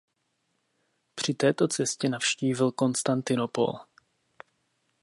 Při této cestě navštívil Konstantinopol.